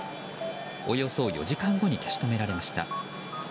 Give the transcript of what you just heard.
およそ４時間後に消し止められました。